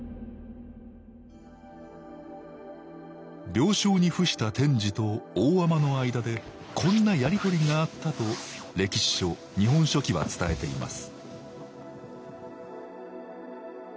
病床に伏した天智と大海人の間でこんなやり取りがあったと歴史書「日本書紀」は伝えています